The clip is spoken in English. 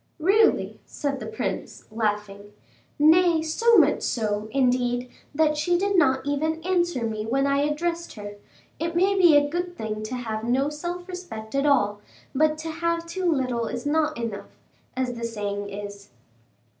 "Really!" said the prince, laughing. "Nay, so much so, indeed, that she did not even answer me when I addressed her; it may be a good thing to have no self respect at all, but to have too little is not enough, as the saying is."